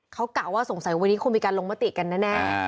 เขากะว่าสงสัยวันนี้คงมีการลงมติกันแน่